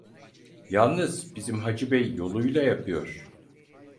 Yalnız bizim Hacı Bey yoluyla yapıyor.